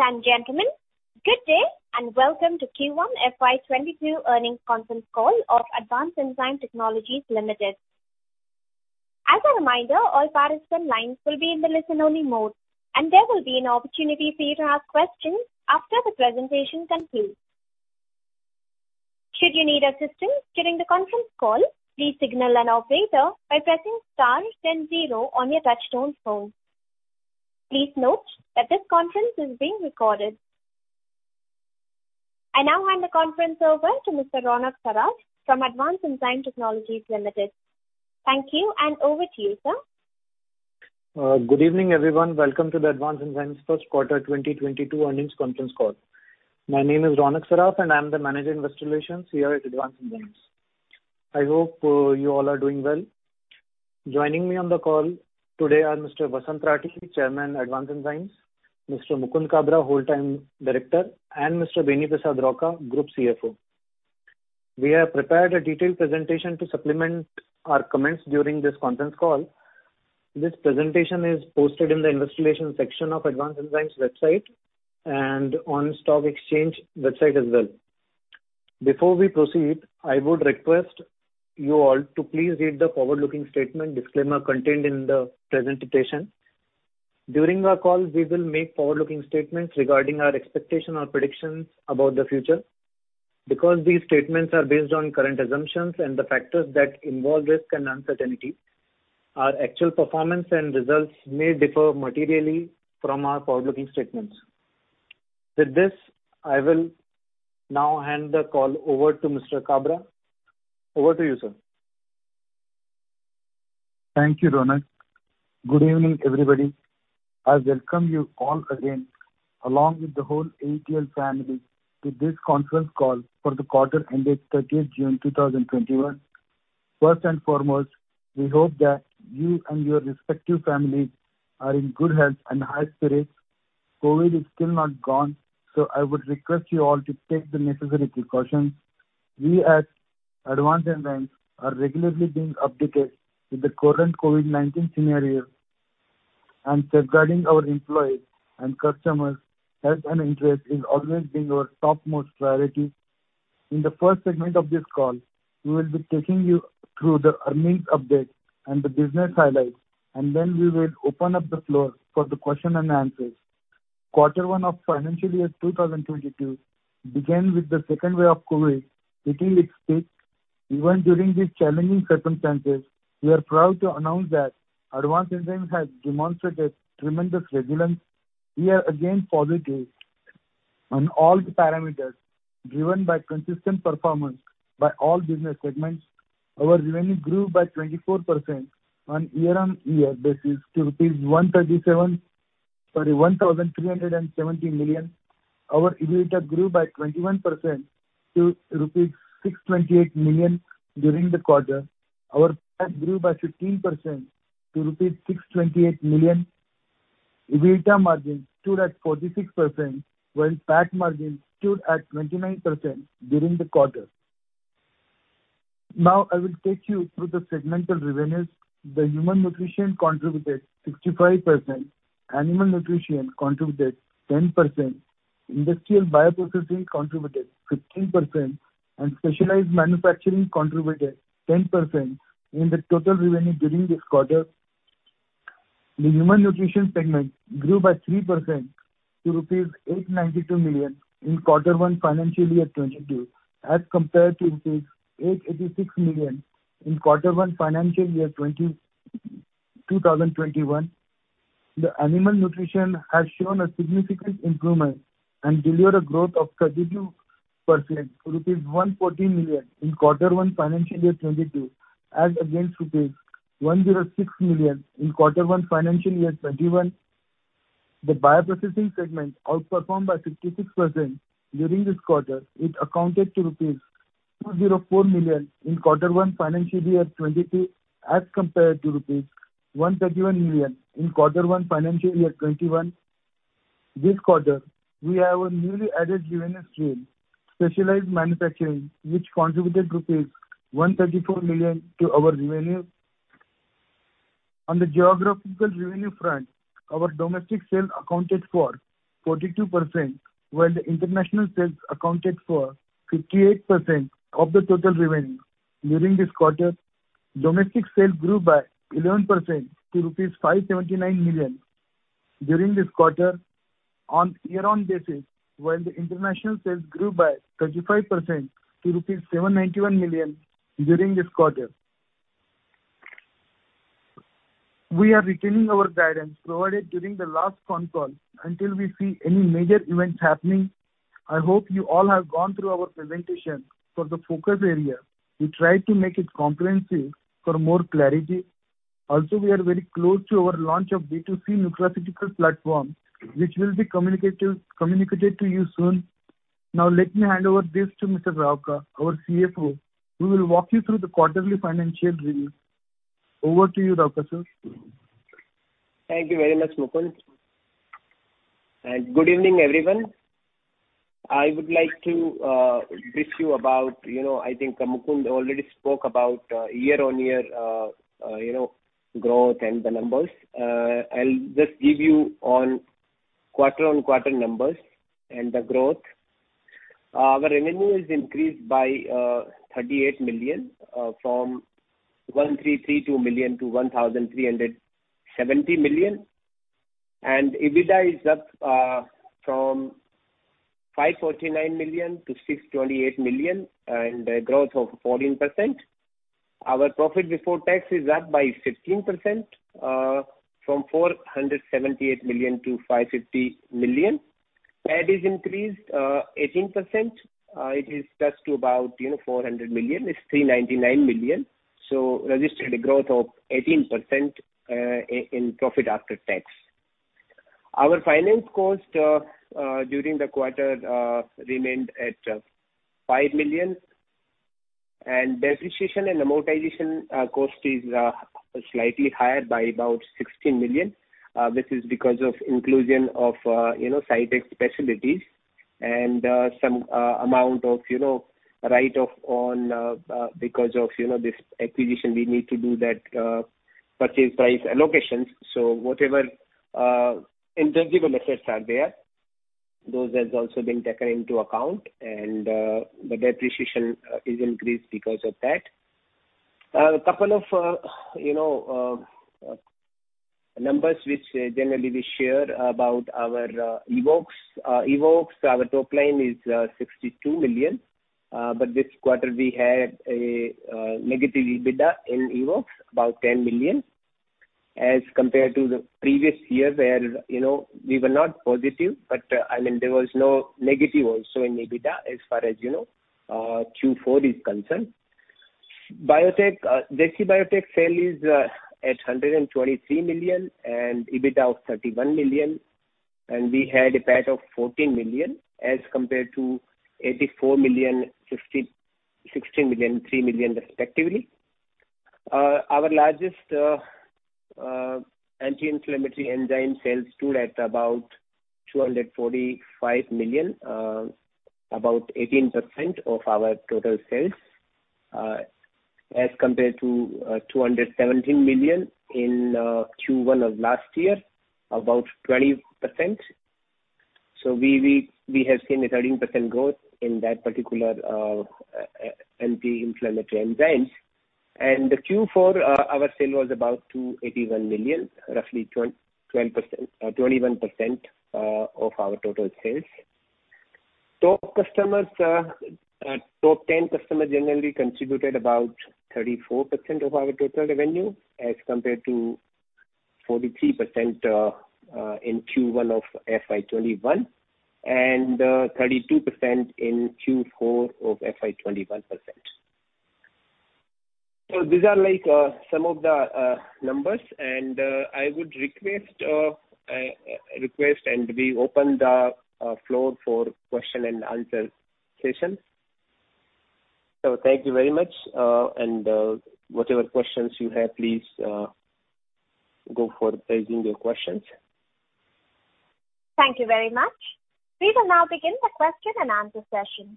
Ladies and gentlemen, good day and welcome to Q1 FY 2022 earnings conference call of Advanced Enzyme Technologies Limited. As a reminder, all participant lines will be in the listen-only mode, and there will be an opportunity for you to ask questions after the presentation concludes. Should you need assistance during the conference call, please signal an operator by pressing star then zero on your touchtone phone. Please note that this conference is being recorded. I now hand the conference over to Mr. Ronak Saraf from Advanced Enzyme Technologies Limited. Thank you, and over to you, sir. Good evening, everyone. Welcome to the Advanced Enzymes' first quarter 2022 earnings conference call. My name is Ronak Saraf, and I'm the Manager, Investor Relations here at Advanced Enzymes. I hope you all are doing well. Joining me on the call today are Mr. Vasant Rathi, Chairman, Advanced Enzymes; Mr. Mukund Kabra, Whole-time Director; and Mr. Beni Prasad Rauka, Group CFO. We have prepared a detailed presentation to supplement our comments during this conference call. This presentation is posted in the Investor Relations section of Advanced Enzymes' website and on stock exchange website as well. Before we proceed, I would request you all to please read the forward-looking statement disclaimer contained in the presentation. During our call, we will make forward-looking statements regarding our expectations or predictions about the future. Because these statements are based on current assumptions and the factors that involve risk and uncertainty, our actual performance and results may differ materially from our forward-looking statements. With this, I will now hand the call over to Mr. Kabra. Over to you, sir. Thank you, Ronak. Good evening, everybody. I welcome you all again, along with the whole AETL family, to this conference call for the quarter ending June 30th 2021. First and foremost, we hope that you and your respective families are in good health and high spirits. COVID is still not gone, so I would request you all to take the necessary precautions. We at Advanced Enzymes are regularly being updated with the current COVID-19 scenario and safeguarding our employees' and customers' health and interest has always been our topmost priority. In the first segment of this call, we will be taking you through the earnings update and the business highlights, and then we will open up the floor for the question and answers. Quarter one of financial year 2022 began with the second wave of COVID hitting its peak. Even during these challenging circumstances, we are proud to announce that Advanced Enzymes has demonstrated tremendous resilience. We are again positive on all the parameters driven by consistent performance by all business segments. Our revenue grew by 24% on year-on-year basis to 1,370 million. Our EBITDA grew by 21% to rupees 628 million during the quarter. Our PAT grew by 15% to rupees 628 million. EBITDA margin stood at 46%, while PAT margin stood at 29% during the quarter. I will take you through the segmental revenues. The human nutrition contributed 65%, animal nutrition contributed 10%, industrial bioprocessing contributed 15%, and specialized manufacturing contributed 10% in the total revenue during this quarter. The human nutrition segment grew by 3% to 892 million rupees in quarter one financial year 2022 as compared to 886 million rupees in quarter one financial year 2021. The animal nutrition has shown a significant improvement and delivered a growth of 32% to rupees 114 million in quarter one financial year 2022 as against rupees 106 million in quarter one financial year 2021. The bioprocessing segment outperformed by 56% during this quarter. It accounted to rupees 204 million in quarter one financial year 2022 as compared to rupees 131 million in quarter one financial year 2021. This quarter, we have a newly added revenue stream, specialized manufacturing, which contributed rupees 134 million to our revenue. On the geographical revenue front, our domestic sales accounted for 42%, while the international sales accounted for 58% of the total revenue during this quarter. Domestic sales grew by 11% to rupees 579 million during this quarter on year-on basis, while the international sales grew by 35% to rupees 791 million during this quarter. We are retaining our guidance provided during the last con call until we see any major events happening. I hope you all have gone through our presentation for the focus area. We tried to make it comprehensive for more clarity. We are very close to our launch of B2C nutraceutical platform, which will be communicated to you soon. Let me hand over this to Mr. Rauka, our CFO, who will walk you through the quarterly financial review. Over to you, Rauka sir. Thank you very much, Mukund. Good evening, everyone. I would like to brief you about, I think Mukund already spoke about year-on-year growth and the numbers. I'll just give you on quarter-on-quarter numbers and the growth. Our revenue is increased by 38 million, from 1,332 million to 1,370 million, and EBITDA is up from 549 million to 628 million, and a growth of 14%. Our profit before tax is up by 15%, from 478 million to 550 million. PAT is increased 18%. It is just to about 400 million. It's 399 million. Registered a growth of 18% in profit after tax. Our finance cost during the quarter remained at 5 million, and depreciation and amortization cost is slightly higher by about 16 million. This is because of inclusion of SciTech facilities and some amount of write-off on because of this acquisition, we need to do that purchase price allocations. Whatever intangible assets are there, those has also been taken into account, and the depreciation is increased because of that. A couple of numbers which generally we share about our evoxx. Evoxx, our top line is 62 million. This quarter, we had a negative EBITDA in evoxx, about 10 million as compared to the previous year, where we were not positive, but there was no negative also in EBITDA as far as Q4 is concerned. JC Biotech sale is at $123 million and EBITDA of 31 million, and we had a PAT of 14 million as compared to 84 million, 16 million, 3 million respectively. Our largest anti-inflammatory enzyme sales stood at about 245 million, about 18% of our total sales, as compared to 217 million in Q1 of last year, about 20%. We have seen a 13% growth in that particular anti-inflammatory enzymes. The Q4, our sale was about 281 million, roughly 21% of our total sales. Top 10 customers generally contributed about 34% of our total revenue as compared to 43% in Q1 of FY 2021 and 32% in Q4 of FY 2021. These are some of the numbers and I would request and we open the floor for question and answer session. Thank you very much and whatever questions you have, please go for raising your questions. Thank you very much. We will now begin the question and answer session.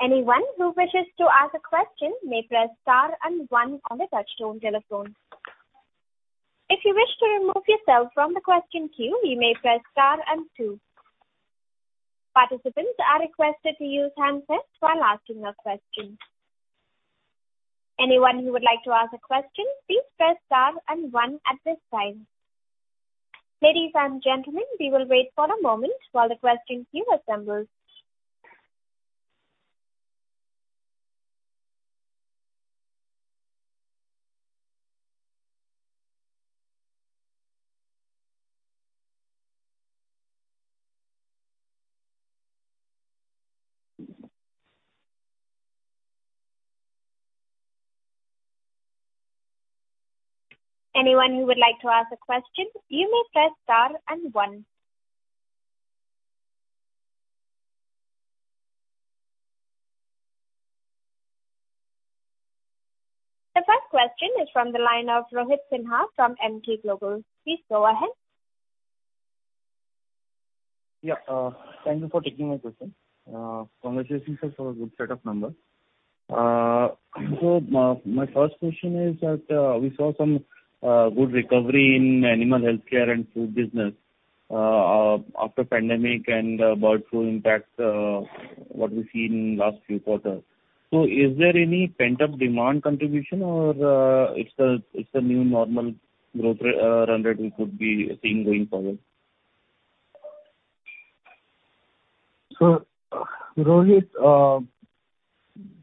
Anyone who wishes to ask a question may press star one on the touch-tone telephone. If you wish to remove yourself from the question queue, you may press star two. Participants are requested to use handsets while asking a question. Anyone who would like to ask a question, please press star one at this time. Ladies and gentlemen, we will wait for a moment while the question queue assembles. Anyone who would like to ask a question, you may press star one. The 1st question is from the line of Rohit Sinha from Emkay Global. Please go ahead. Yeah. Thank you for taking my question. Congratulations for a good set of numbers. My first question is that we saw some good recovery in animal nutrition and human nutrition business after pandemic and bird flu impact, what we've seen last few quarters. Is there any pent-up demand contribution or it's the new normal growth run rate we could be seeing going forward? Rohit,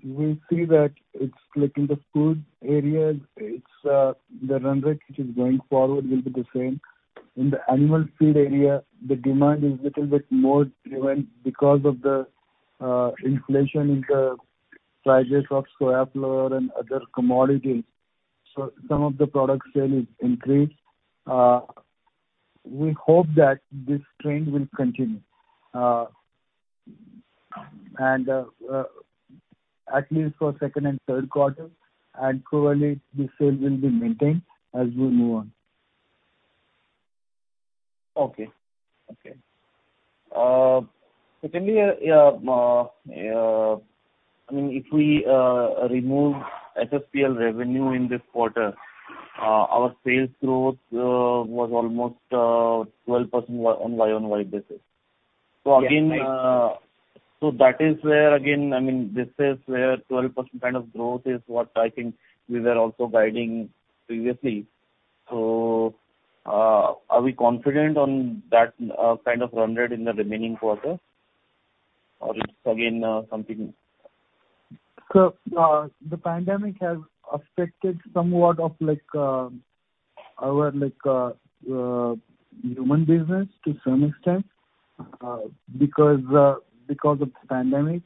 we see that it's like in the food area, the run rate which is going forward will be the same. In the animal feed area, the demand is little bit more driven because of the inflation in the prices of soy flour and other commodities. Some of the product sale is increased. We hope that this trend will continue at least for second and third quarter, and probably the sale will be maintained as we move on. Okay. Tell me, if we remove SSPL revenue in this quarter, our sales growth was almost 12% on year-on-year basis. Yes, right. That is where, again, this is where 12% kind of growth is what I think we were also guiding previously. Are we confident on that kind of run rate in the remaining quarters, or it's again something? The pandemic has affected somewhat of our human business to some extent because of the pandemic.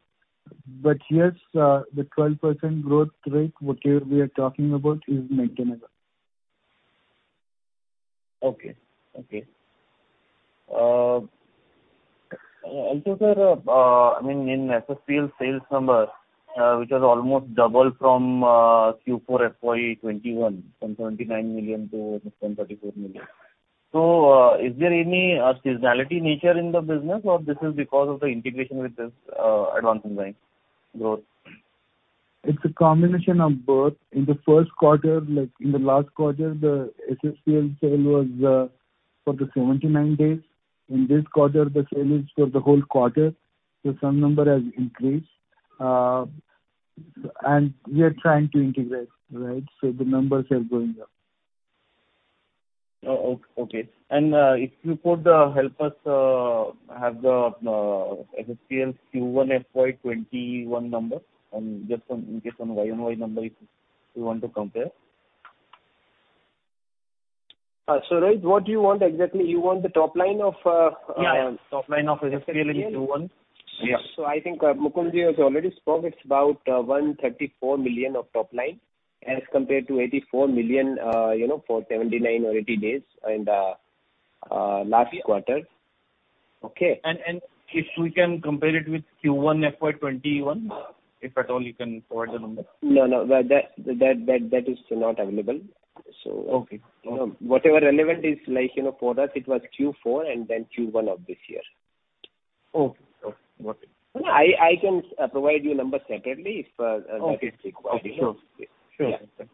Yes, the 12% growth rate, whatever we are talking about, is maintainable. Okay. Also, sir, in SSPL sales number, which has almost doubled from Q4 FY 2021, from 79 million to 134 million. Is there any seasonality nature in the business, or this is because of the integration with Advanced Enzymes growth? It's a combination of both. In the last quarter, the SSPL sale was for the 79 days. In this quarter, the sale is for the whole quarter, some number has increased. We are trying to integrate, the numbers are going up. Okay. If you could help us have the SSPL Q1 FY 2021 number, just in case on year-over-year number, if you want to compare. Rohit, what do you want exactly? You want the top line of? Yeah. Top line of SSPL in Q1. I think Mukund has already spoke. It's about 134 million of top line as compared to 84 million for 79 or 80 days in the last quarter. Okay. If we can compare it with Q1 FY 2021, if at all you can provide the number? No, that is not available. Okay. Whatever relevant is for us, it was Q4 and then Q1 of this year. Okay. Got it. I can provide you number separately if that is required. Okay. Sure. Lastly,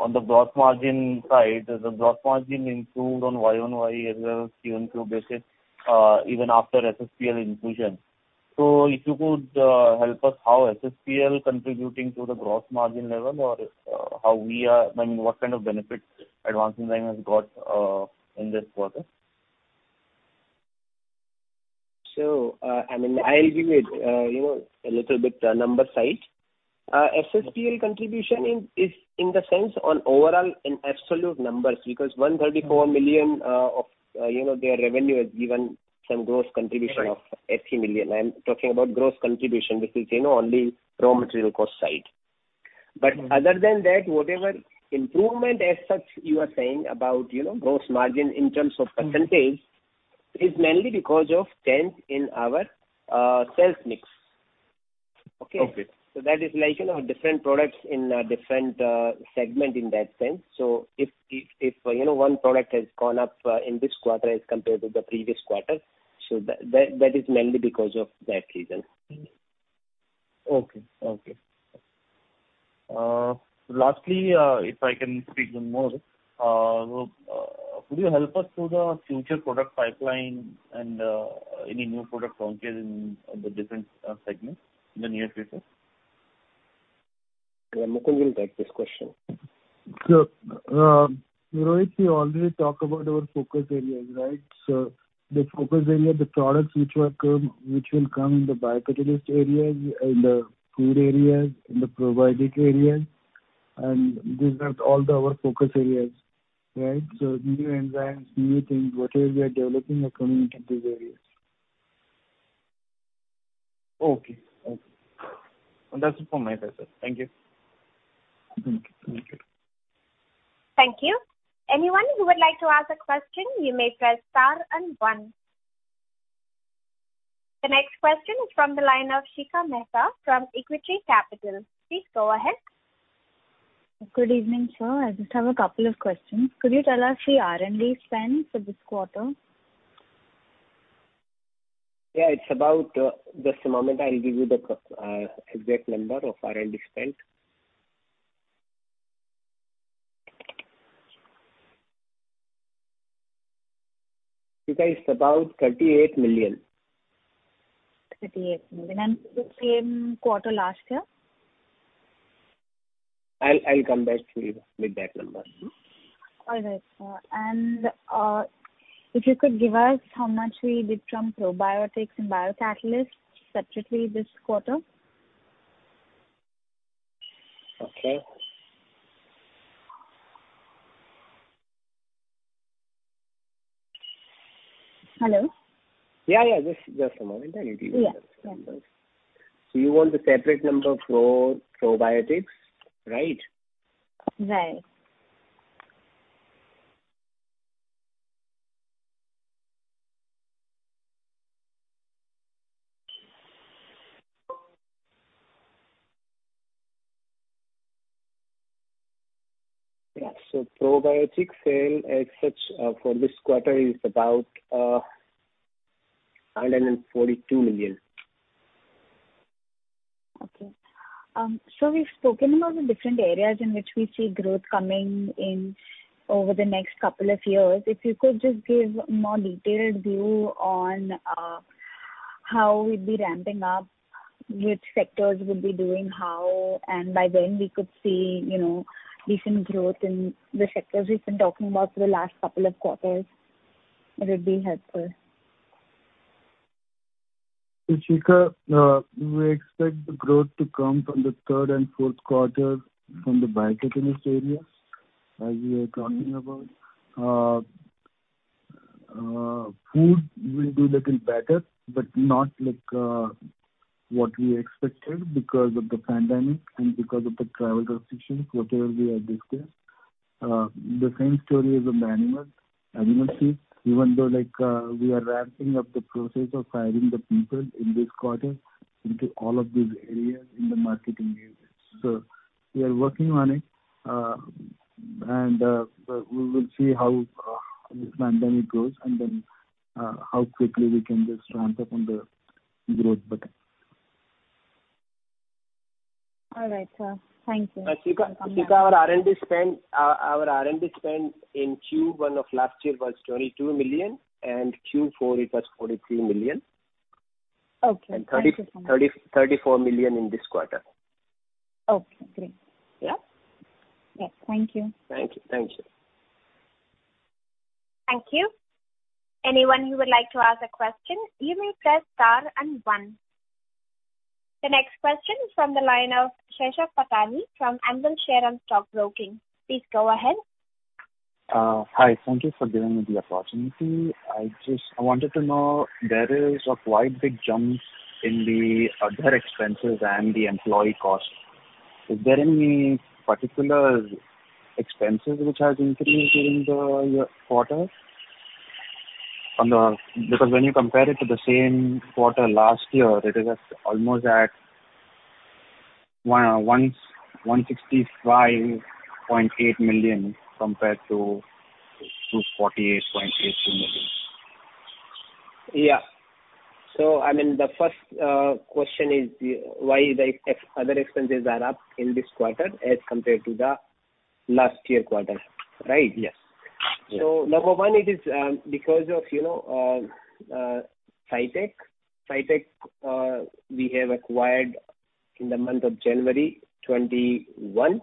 on the gross margin side, the gross margin improved on year-on-year as well as Q-on-Q basis, even after SSPL inclusion. If you could help us how SSPL contributing to the gross margin level or what kind of benefits Advanced Enzyme has got in this quarter. I'll give it a little bit number side. SSPL contribution is in the sense on overall in absolute numbers, because 134 million of their revenue has given some gross contribution of 18 million. I'm talking about gross contribution, which is only raw material cost side. Other than that, whatever improvement as such you are saying about gross margin in terms of percentage is mainly because of change in our sales mix. Okay. Okay. That is different products in a different segment in that sense. If one product has gone up in this quarter as compared to the previous quarter, so that is mainly because of that reason. Okay. Lastly, if I can speak one more. Could you help us through the future product pipeline and any new product launches in the different segments in the near future? Mukund will take this question. Rohit, we already talk about our focus areas, right? The focus area, the products which will come in the biocatalyst areas, in the food areas, in the probiotic areas, and these are all our focus areas, right? New enzymes, new things, whatever we are developing are coming into these areas. Okay. That's it from my side, sir. Thank you. Thank you. Thank you. Anyone who would like to ask a question, you may press star and one. The next question is from the line of Shikha Mehta from Equitree Capital. Please go ahead. Good evening, sir. I just have a couple of questions. Could you tell us the R&D spend for this quarter? Yeah, just a moment. I'll give you the exact number of R&D spend. Shikha, it's about 38 million. 38 million. The same quarter last year? I'll come back to you with that number. All right, sir. If you could give us how much we did from probiotics and biocatalyst separately this quarter? Okay. Hello? Yeah. Just a moment. I'll give you those numbers. Yeah. You want the separate number for probiotics, right? Right. Yeah. probiotic sale as such for this quarter is about 942 million. We've spoken about the different areas in which we see growth coming in over the next couple of years. If you could just give a more detailed view on how we'd be ramping up, which sectors would be doing how, and by when we could see decent growth in the sectors we've been talking about for the last couple of quarters. It would be helpful. Shikha, we expect the growth to come from the third and fourth quarter from the biotech industry area, as we are talking about. Food will do little better, but not like what we expected because of the pandemic and because of the travel restrictions, whatever we have discussed. The same story is with the animal feed, even though we are ramping up the process of hiring the people in this quarter into all of these areas in the marketing units. We are working on it, and we will see how this pandemic goes and then how quickly we can just ramp up on the growth pattern. All right, sir. Thank you. Shikha, our R&D spend in Q1 of last year was 22 million, and Q4 it was 43 million. Okay. Thank you so much. 34 million in this quarter. Okay, great. Yeah. Yes. Thank you. Thank you. Thank you. Anyone who would like to ask a question, you may press star and one. The next question is from the line of Sesha Pattani from Anvil Share and Stock Broking. Please go ahead. Hi. Thank you for giving me the opportunity. I wanted to know, there is a quite big jump in the other expenses and the employee cost. Is there any particular expenses which has increased during the quarter? When you compare it to the same quarter last year, it is at almost at 165.8 million compared to 248.82 million. Yeah. The first question is why the other expenses are up in this quarter as compared to the last year quarter, right? Yes. Number one, it is because of SciTech. SciTech, we have acquired in the month of January 2021.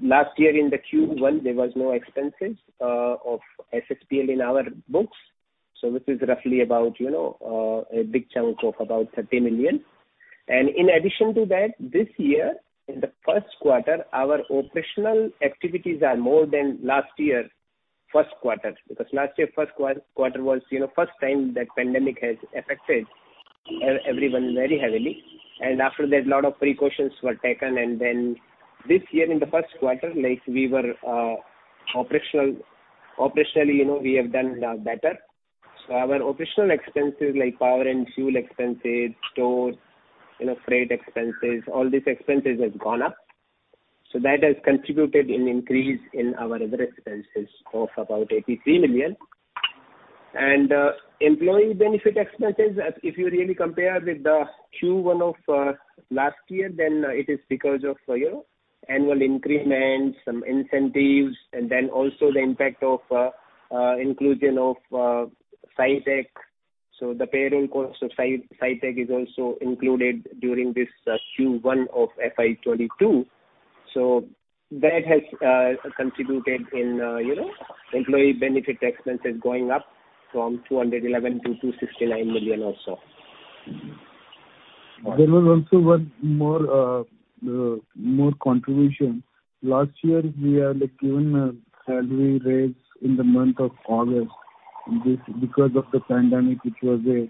Last year in the Q1, there was no expenses of SSPL in our books. This is roughly about a big chunk of about 30 million. In addition to that, this year in the first quarter, our operational activities are more than last year first quarter, because last year first quarter was first time that pandemic has affected everyone very heavily. After that, lot of precautions were taken and then this year in the first quarter, we were operational. Operationally, we have done better. Our operational expenses like power and fuel expenses, stores, freight expenses, all these expenses has gone up. That has contributed in increase in our other expenses of about 83 million. Employee benefit expenses, if you really compare with the Q1 of last year, then it is because of annual increments, some incentives, and then also the impact of inclusion of SciTech. The payroll cost of SciTech is also included during this Q1 of FY 2022. That has contributed in employee benefit expenses going up from 211 million to 269 million or so. There was also one more contribution. Last year, we had given a salary raise in the month of August because of the pandemic, which was there.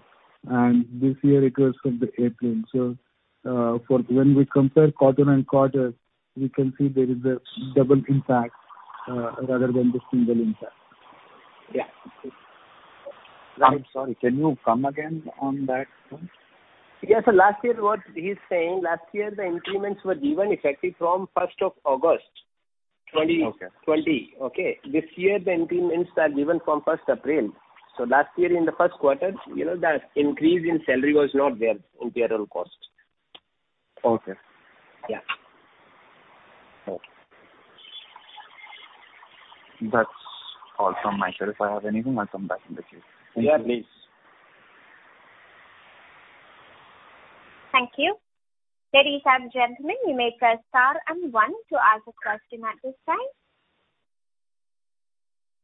This year it was from the April. When we compare quarter-on-quarter, we can see there is a double impact rather than the single impact. Yeah. I'm sorry, can you come again on that point? Yeah. Last year, what he's saying, last year the increments were given effective from 1st of August 2020. Okay. This year, the increments are given from April 1st. Last year in the first quarter, the increase in salary was not there in payroll cost. Okay. Yeah. Okay. That's all from my side. If I have anything, I'll come back in the queue. Thank you. Yeah, please. Thank you. Ladies and gentlemen, you may press star and one to ask a question at this time.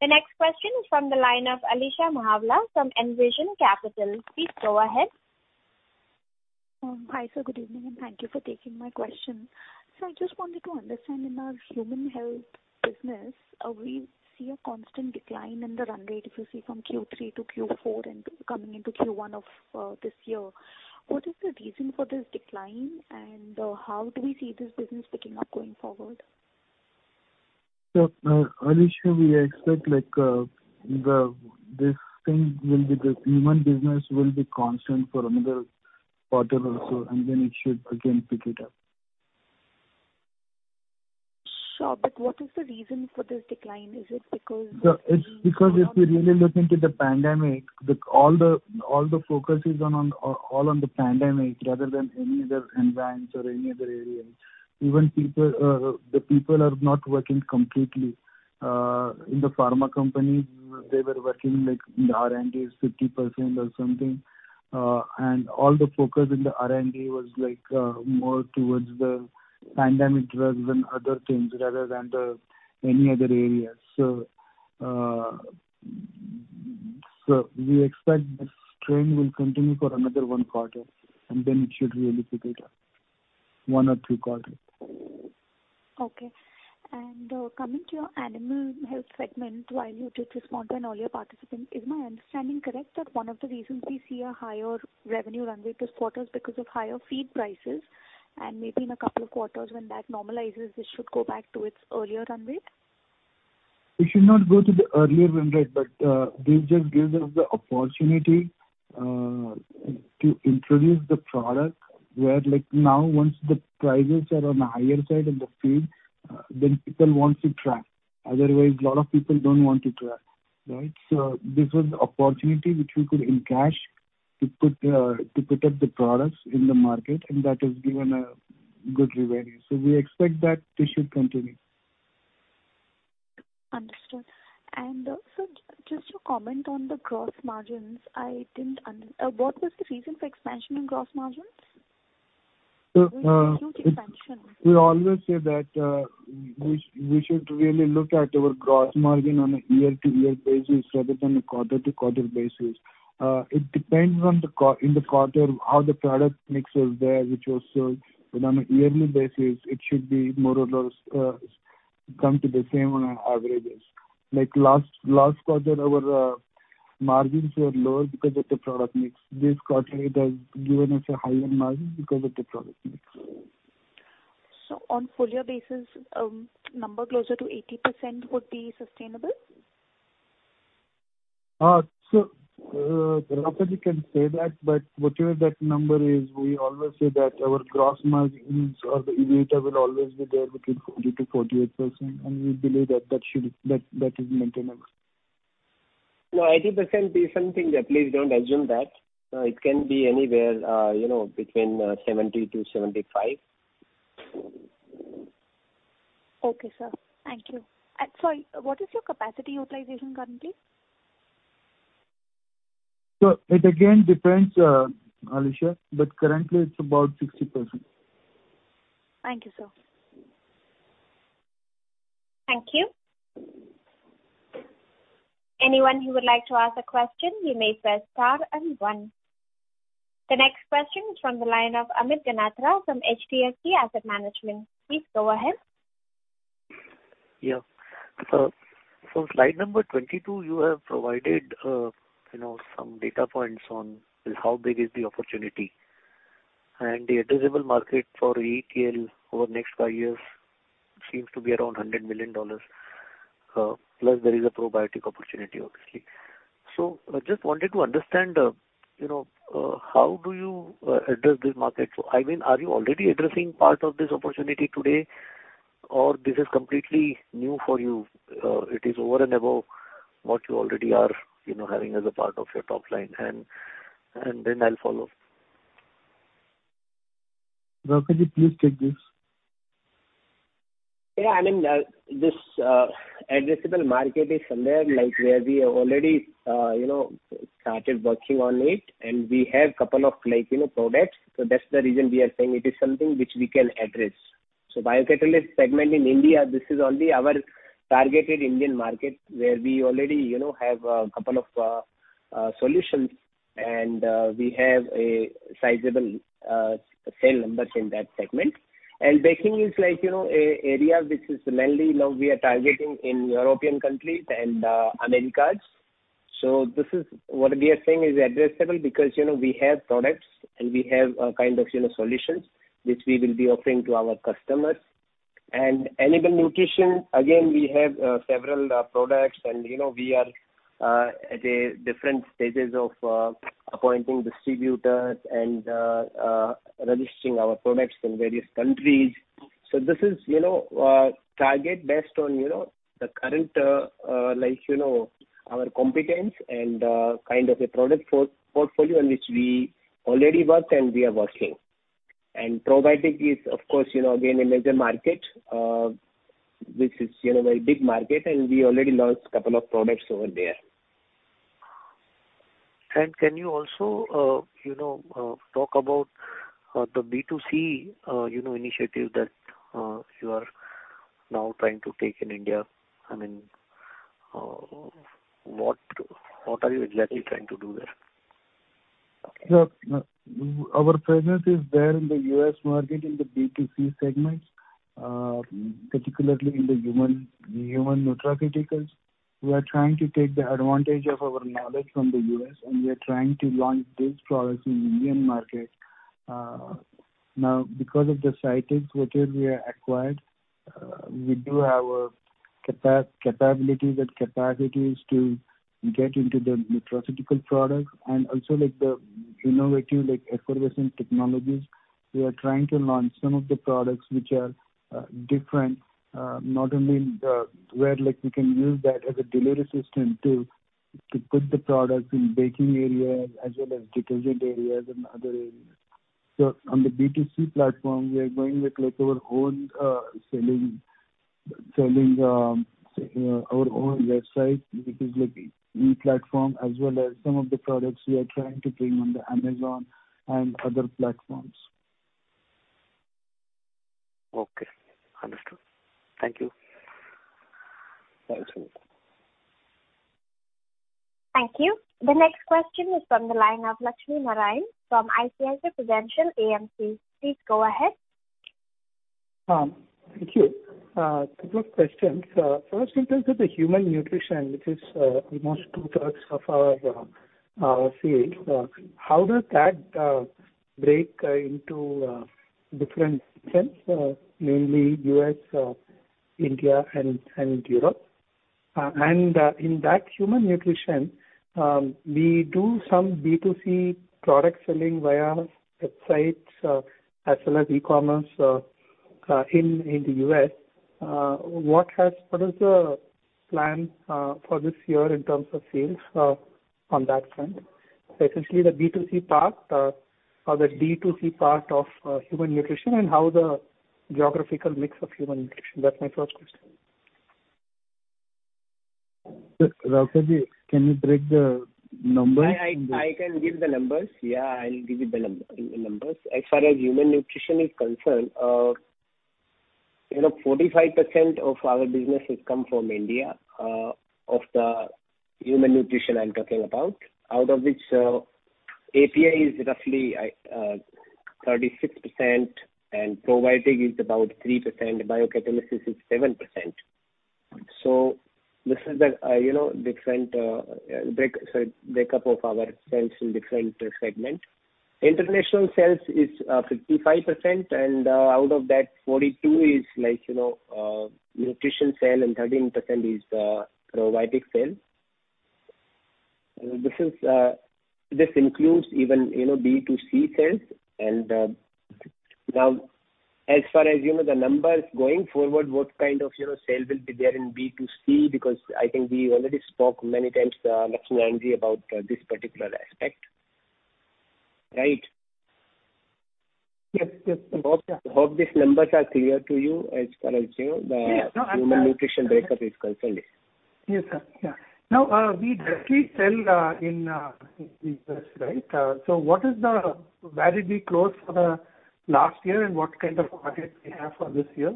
The next question is from the line of Alisha Mahawla from Envision Capital. Please go ahead. Hi, sir. Good evening, and thank you for taking my question. I just wanted to understand in our human health business, we see a constant decline in the run rate, if you see from Q3 to Q4 and coming into Q1 of this year. What is the reason for this decline, and how do we see this business picking up going forward? Alisha, we expect this thing will be the human nutrition will be constant for another quarter or so, and then it should again pick it up. Sure. What is the reason for this decline? Is it because? It's because if you really look into the pandemic, all the focus is all on the pandemic rather than any other environments or any other areas. Even the people are not working completely. In the pharma company, they were working like the R&D is 50% or something. All the focus in the R&D was more towards the pandemic rather than other things, rather than any other areas. We expect this trend will continue for another one quarter, and then it should really pick it up. One or two quarters. Coming to your animal health segment, while you did respond to an earlier participant, is my understanding correct that one of the reasons we see a higher revenue run rate this quarter is because of higher feed prices, and maybe in a couple of quarters when that normalizes, it should go back to its earlier run rate? It should not go to the earlier run rate, but this just gives us the opportunity to introduce the product where now once the prices are on the higher side of the feed, then people want to track. Otherwise, a lot of people don't want to track, right? This was the opportunity which we could encash to put up the products in the market, and that has given a good revenue. We expect that this should continue. Understood. Sir, just to comment on the gross margins, what was the reason for expansion in gross margins? So. Huge expansion. We always say that we should really look at our gross margin on a year-to-year basis rather than a quarter-to-quarter basis. It depends on, in the quarter, how the product mix was there, which was sold. On a yearly basis, it should more or less come to the same on averages. Like last quarter, our margins were lower because of the product mix. This quarter, it has given us a higher margin because of the product mix. On full year basis, a number closer to 80% would be sustainable? Roughly we can say that, but whatever that number is, we always say that our gross margins or the EBITDA will always be there between 40% to 48%, and we believe that is maintainable. No, 80% is something that please don't assume that. It can be anywhere between 70 to 75. Okay, sir. Thank you. Sorry, what is your capacity utilization currently? It again depends, Alisha, but currently it's about 60%. Thank you, sir. Thank you. Anyone who would like to ask question, you may press star and one. The next question is from the line of Amit Ganatra from HDFC Asset Management. Please go ahead. Yeah. Slide number 22, you have provided some data points on how big is the opportunity. The addressable market for AETL over the next five years seems to be around INR 100 million. Plus, there is a probiotic opportunity, obviously. I just wanted to understand how do you address this market? I mean, are you already addressing part of this opportunity today, or this is completely new for you? It is over and above what you already are having as a part of your top line. Then I'll follow. Rauka, please take this. Yeah, I mean, this addressable market is somewhere where we already started working on it, and we have couple of products. That's the reason we are saying it is something which we can address. Biocatalyst segment in India, this is only our targeted Indian market where we already have a couple of solutions and we have a sizable sale numbers in that segment. Baking is a area which is mainly now we are targeting in European countries and Americas. This is what we are saying is addressable because we have products and we have a kind of solutions which we will be offering to our customers. Animal nutrition, again, we have several products and we are at a different stages of appointing distributors and registering our products in various countries. This is target based on the current, our competence and kind of a product portfolio in which we already work and we are working. Probiotic is, of course, again, a major market. This is very big market, and we already launched couple of products over there. Can you also talk about the B2C initiative that you are now trying to take in India? I mean, what are you exactly trying to do there? Sir, our presence is there in the U.S. market in the B2C segments, particularly in the human nutraceuticals. We are trying to take the advantage of our knowledge from the U.S., and we are trying to launch these products in Indian market. Now, because of the SciTech, which we have acquired, we do have capabilities and capacities to get into the nutraceutical products and also the innovative effervescent technologies. We are trying to launch some of the products which are different, not only where we can use that as a delivery system to put the product in baking areas as well as detergent areas and other areas. On the B2C platform, we are going with our own selling our own website, which is like e-platform as well as some of the products we are trying to bring on the Amazon and other platforms. Okay. Understood. Thank you. Thanks a lot. Thank you. The next question is from the line of Lakshmi Narayan from ICICI Prudential AMC. Please go ahead. Thank you. Two questions. First, in terms of the human nutrition, which is almost two-thirds of our sales, how does that break into different segments, mainly U.S., India, and Europe? In that human nutrition, we do some B2C product selling via websites as well as e-commerce in the U.S. What is the plan for this year in terms of sales on that front, essentially the B2C part or the D2C part of human nutrition and the geographical mix of human nutrition? That's my first question. Sir, Rauka, can you break the numbers? I can give the numbers. Yeah, I will give you the numbers. As far as human nutrition is concerned, 45% of our business has come from India of the human nutrition I am talking about, out of which API is roughly 36% and probiotic is about 3%, biocatalysis is 7%. This is the different breakup of our sales in different segment. International sales is 55%, and out of that, 42% is nutrition sale and 13% is probiotic sales. This includes even D2C sales. Now as far as the numbers going forward, what kind of sale will be there in B2C, because I think we already spoke many times, Lakshmi Narayan ji, about this particular aspect, right? Yes. Hope these numbers are clear to you as far as, you know. Yes. The human nutrition breakup is concerned. Yes, sir. Yeah. Now, we directly sell in research, right? Where did we close for the last year, and what kind of markets we have for this year?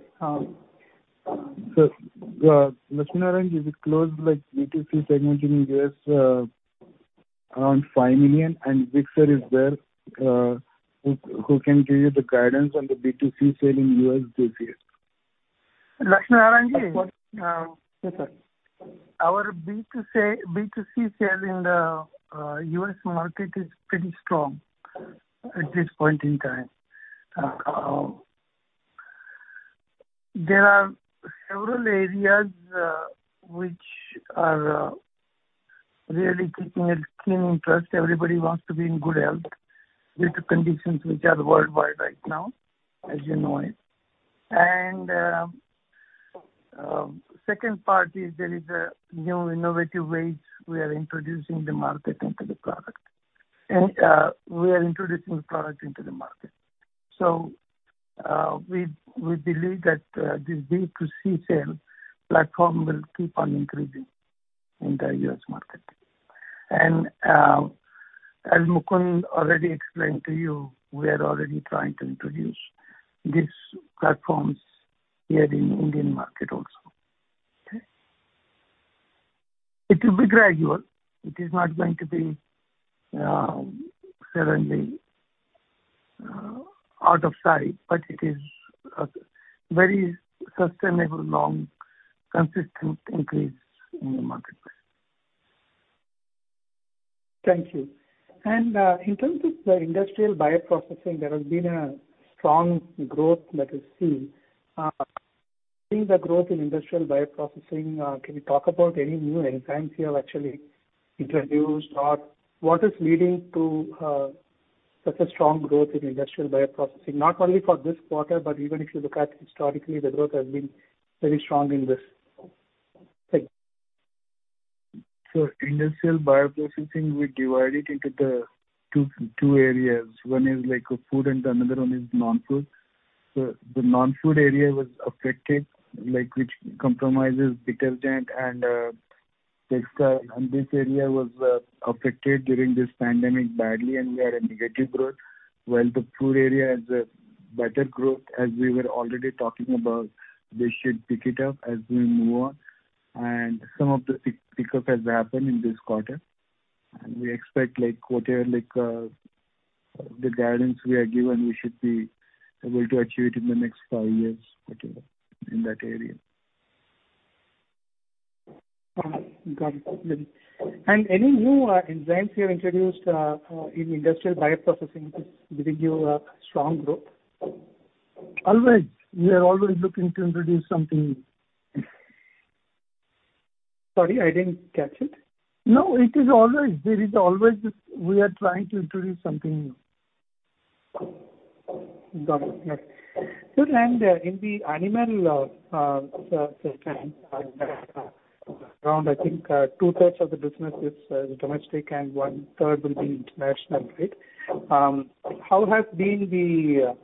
Lakshmi Narayan ji, we closed B2C segment in U.S. around $5 million. Vik sir is there who can give you the guidance on the B2C sale in U.S. this year. Lakshmi Narayan ji. Yes, sir. Our B2C sale in the U.S. market is pretty strong at this point in time. There are several areas which are really keeping a keen interest. Everybody wants to be in good health due to conditions which are worldwide right now, as you know it. Second part is there is new innovative ways we are introducing the product into the market. We believe that this B2C sale platform will keep on increasing in the U.S. market. As Mukund already explained to you, we are already trying to introduce these platforms here in Indian market also. Okay. It will be gradual. It is not going to be suddenly out of sight, but it is a very sustainable, long, consistent increase in the market. Thank you. In terms of the industrial bioprocessing, there has been a strong growth that is seen. In the growth in industrial bioprocessing, can you talk about any new enzymes you have actually introduced? What is leading to such a strong growth in industrial bioprocessing, not only for this quarter, but even if you look at historically, the growth has been very strong in this. Thanks. Industrial bioprocessing, we divide it into the two areas. One is food and another one is non-food. The non-food area was affected, which compromises detergent and textile, and this area was affected during this pandemic badly, and we are at negative growth. While the food area has a better growth, as we were already talking about, they should pick it up as we move on. Some of the pickup has happened in this quarter. We expect whatever the guidance we are given, we should be able to achieve it in the next five years, whatever, in that area. Got it. Any new enzymes you have introduced in industrial bioprocessing giving you a strong growth? Always. We are always looking to introduce something new. Sorry, I didn't catch it. No, it is always. There is always. We are trying to introduce something new. Got it. Yes. Sir, in the animal health system, around I think two-thirds of the business is domestic and one-third will be international, right? How has been the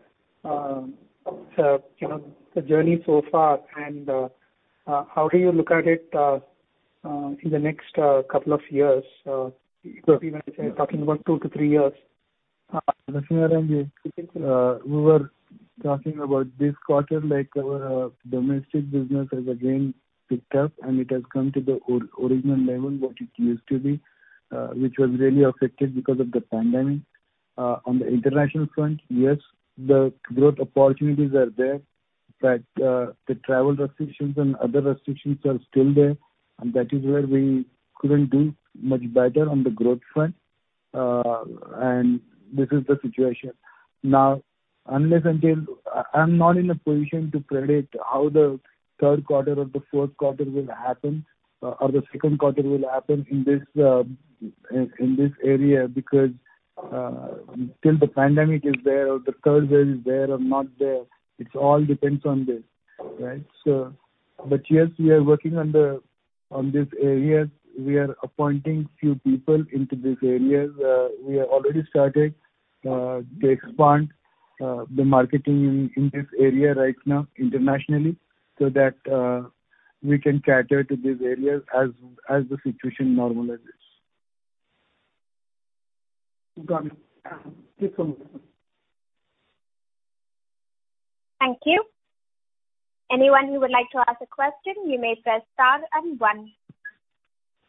journey so far and how do you look at it in the next couple of years? Even if we're talking about two to three years. Lakshimi Narayan ji. We were talking about this quarter, like our domestic business has again picked up, and it has come to the original level, what it used to be, which was really affected because of the pandemic. On the international front, yes, the growth opportunities are there, but the travel restrictions and other restrictions are still there, and that is where we couldn't do much better on the growth front. This is the situation. Now, I'm not in a position to predict how the third quarter or the fourth quarter will happen or the second quarter will happen in this area because till the pandemic is there or the curve is there or not there, it all depends on this, right? Yes, we are working on these areas. We are appointing few people into these areas. We have already started to expand the marketing in this area right now internationally, so that we can cater to these areas as the situation normalizes. Got it. Yes. Thank you. Anyone who would like to ask a question, you may press star and one.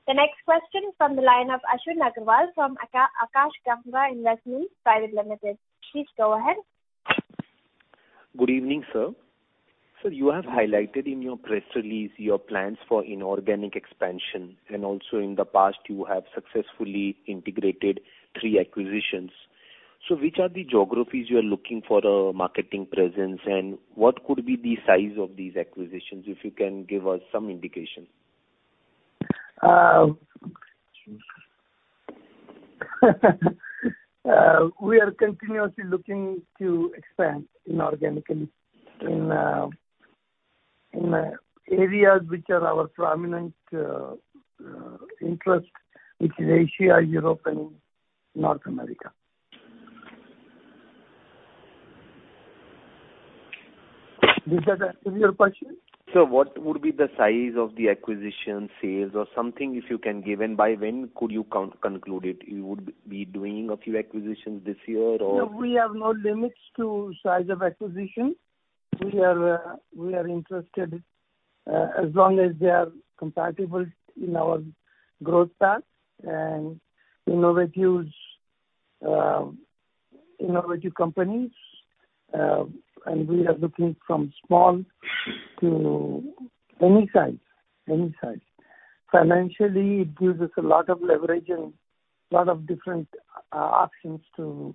The next question from the line of Ashwin Agarwal from Akash Ganga Investments Private Limited. Please go ahead. Good evening, sir. Sir, you have highlighted in your press release your plans for inorganic expansion, and also in the past, you have successfully integrated three acquisitions. Which are the geographies you are looking for a marketing presence and what could be the size of these acquisitions? If you can give us some indication. We are continuously looking to expand inorganically in areas which are our prominent interest, which is Asia, Europe, and North America. Does that answer your question? Sir, what would be the size of the acquisition, sales or something, if you can give? By when could you conclude it? You would be doing a few acquisitions this year or? No, we have no limits to size of acquisition. We are interested as long as they are compatible in our growth path and innovative companies. We are looking from small to any size. Financially, it gives us a lot of leverage and lot of different options to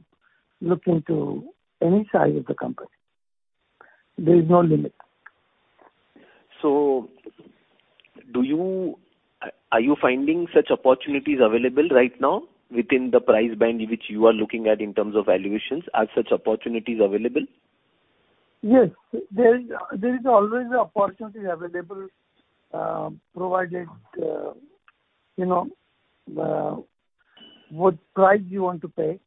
look into any size of the company. There is no limit. Are you finding such opportunities available right now within the price band which you are looking at in terms of valuations? Are such opportunities available? Yes. There is always opportunities available, provided what price you want to pay,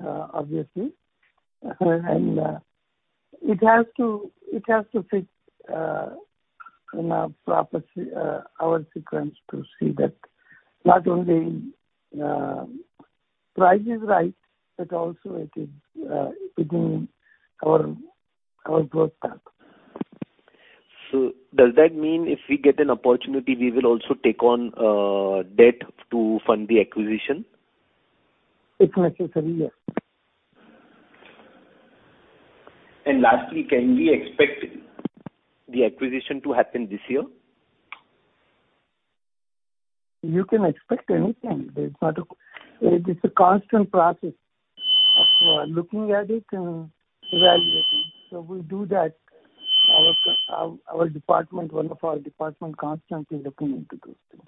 obviously. It has to fit in our sequence to see that not only price is right, but also it is within our growth path. Does that mean if we get an opportunity, we will also take on debt to fund the acquisition? If necessary, yes. Lastly, can we expect the acquisition to happen this year? You can expect anything. It's a constant process of looking at it and evaluating. We do that. One of our department constantly looking into those things.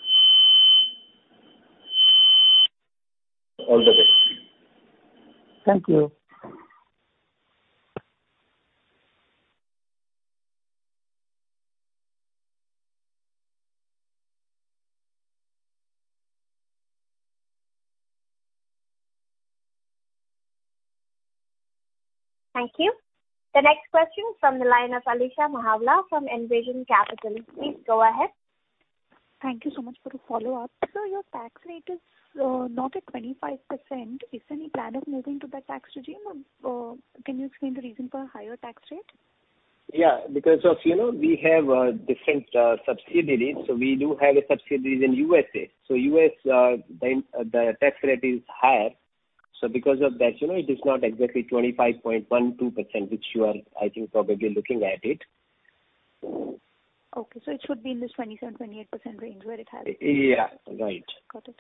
All the best. Thank you. Thank you. The next question from the line of Alisha Mahawla from Envision Capital. Please go ahead. Thank you so much for the follow-up. Sir, your tax rate is not at 25%. Is there any plan of moving to that tax regime or can you explain the reason for higher tax rate? Yeah, because we have different subsidiaries. We do have a subsidiary in USA. U.S., the tax rate is higher. Because of that, it is not exactly 25.12%, which you are, I think, probably looking at it. Okay. It should be in this 27%-28% range. Yeah. Right. Got it.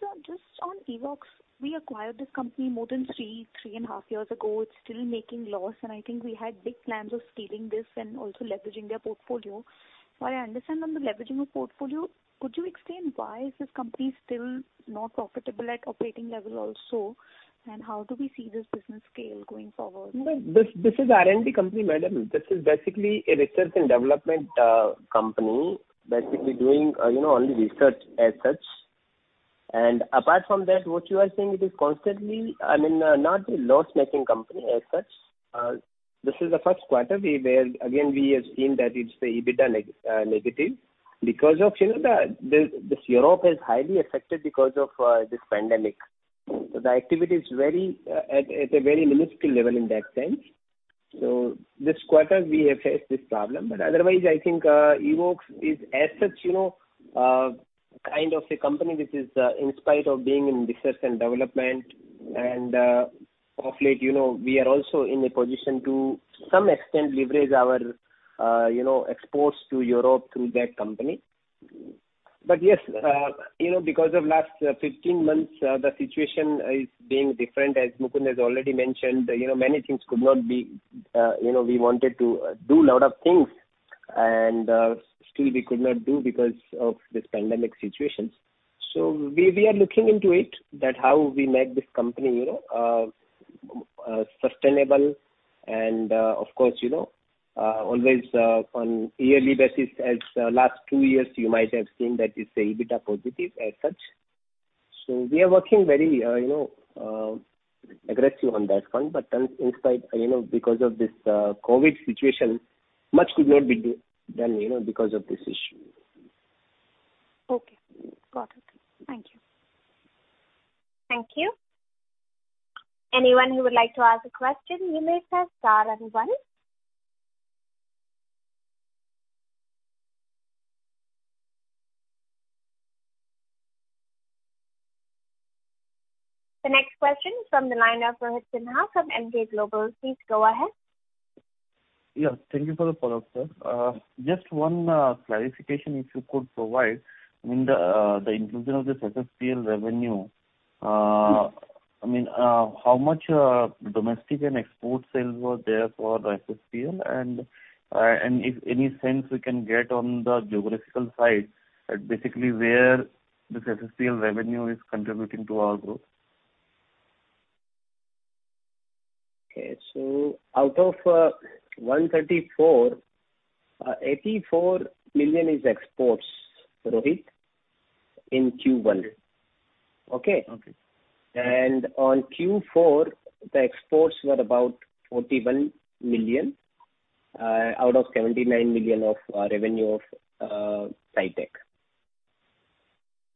Sir, just on evoxx, we acquired this company more than 3.5 years ago. It's still making loss, and I think we had big plans of scaling this and also leveraging their portfolio. While I understand on the leveraging of portfolio, could you explain why is this company still not profitable at operating level also, and how do we see this business scale going forward? No, this is R&D company, madam. This is basically a research and development company that will be doing only research as such. Apart from that, what you are saying, it is constantly, I mean, not a loss-making company as such. This is the first quarter where, again, we have seen that it's the EBITDA negative because of Europe is highly affected because of this pandemic. The activity is at a very minuscule level in that sense. This quarter we have faced this problem, but otherwise, I think evoxx is as such, kind of a company which is, in spite of being in research and development and of late, we are also in a position to some extent leverage our exports to Europe through that company. Yes, because of last 15 months, the situation is being different. As Mukund has already mentioned, many things could not be. We wanted to do a lot of things, and still we could not do because of this pandemic situation. We are looking into it, that how we make this company sustainable and, of course, always on yearly basis as last two years, you might have seen that it's EBITDA positive as such. We are working very aggressive on that front. In spite, because of this COVID situation, much could not be done because of this issue. Okay. Got it. Thank you. Thank you. Anyone who would like to ask a question, you may press star one. The next question from the line of Rohit Sinha from Emkay Global. Please go ahead. Yeah, thank you for the follow-up, sir. Just one clarification if you could provide. I mean, the inclusion of this SSPL revenue, how much domestic and export sales were there for the SSPL, and if any sense we can get on the geographical side, basically where this SSPL revenue is contributing to our growth? Okay, out of 134 million, 84 million is exports, Rohit, in Q1. Okay? Okay. On Q4, the exports were about 41 million out of 79 million of revenue of SciTech.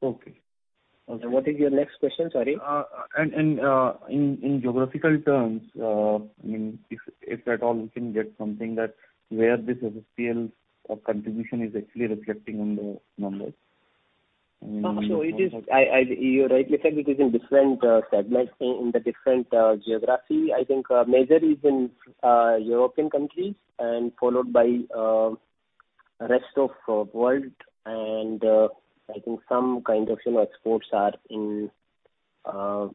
Okay. What is your next question? Sorry. In geographical terms, if at all we can get something that where this SSPL contribution is actually reflecting on the numbers. It is, you rightly said it is in different segments, in the different geography. I think major is in European countries and followed by rest of world, and I think some kind of exports are in Russia,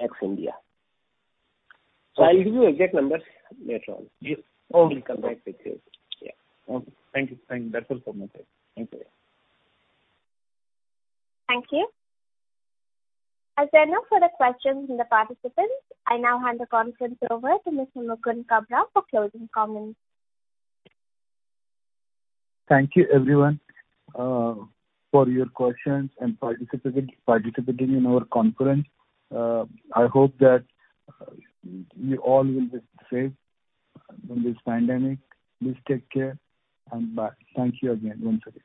ex India. I'll give you exact numbers later on. Yes. Okay. We'll come back with it. Yeah. Okay. Thank you. That's all from my side. Thank you. Thank you. As there are no further questions from the participants, I now hand the conference over to Mr. Mukund Kabra for closing comments. Thank you everyone for your questions and participating in our conference. I hope that you all will be safe from this pandemic. Please take care, and bye. Thank you again. Once again.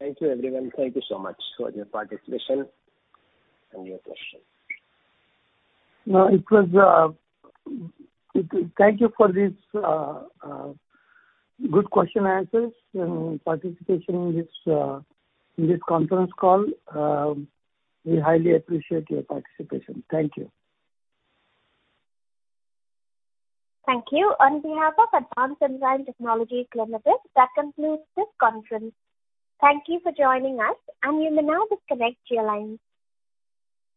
Thank you everyone. Thank you so much for your participation and your questions. No, it was. Thank you for these good question answers and participation in this conference call. We highly appreciate your participation. Thank you. Thank you. On behalf of Advanced Enzyme Technologies Limited, that concludes this conference. Thank you for joining us, and you may now disconnect your lines.